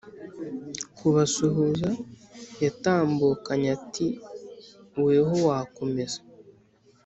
kubasuhuza yatambukanye ati"weho wakomeza